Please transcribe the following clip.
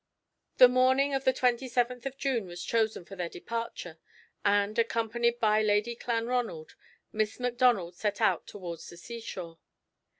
The morning of the 27th of June was chosen for their departure, and, accompanied by Lady Clanronald, Miss Macdonald set out towards the seashore.